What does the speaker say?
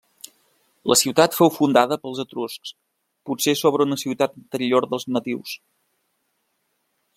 La ciutat fou fundada pels etruscs potser sobre una ciutat anterior dels nadius.